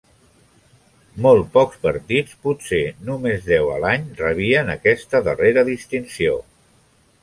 Molt pocs partits, potser només deu a l'any, rebien aquesta darrera distinció.